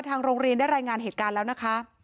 ทางโรงเรียนได้รายงานเหตุการณ์แล้วนะคะ